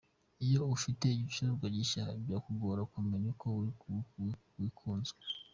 Iyo ufite igicuruzwa gishya, byakugora kumenya uko gikunzwe.